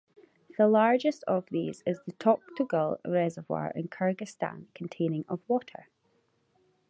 The largest of these is the Toktogul Reservoir in Kyrgyzstan containing of water.